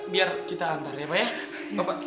biar kita antar ya pak ya